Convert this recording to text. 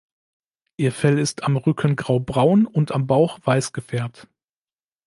Ihr Fell ist am Rücken graubraun und am Bauch weiß gefärbt.